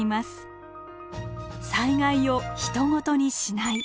「災害をひと事にしない」。